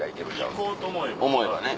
行こうと思えば。